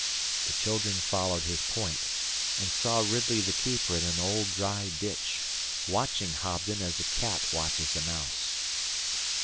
The children followed his point, and saw Ridley the keeper in an old dry ditch, watching Hobden as a cat watches a mouse.